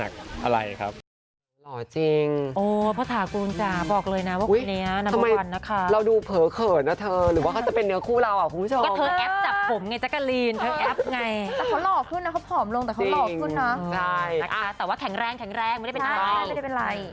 โอเคครับทุกอย่างโอเคไม่มีโรคหนักอะไรครับ